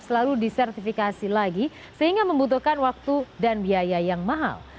selalu disertifikasi lagi sehingga membutuhkan waktu dan biaya yang mahal